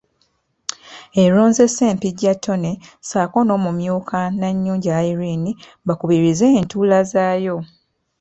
Eronze Ssempijja Tonny ssaako n’omumyuka Nannyunja Irene bakubirize entuula zaayo.